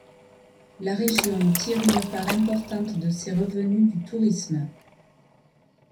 La région tire une part importante de ses revenus du tourisme.